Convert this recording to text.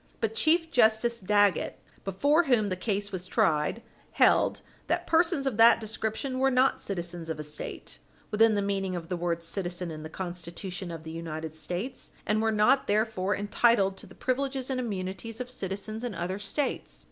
But Chief Justice Dagget, before whom the case was tried, held that persons of that description were not citizens of a State, within the meaning of the word citizen in the Constitution of the United States, and were not therefore entitled to the privileges and immunities of citizens in other States.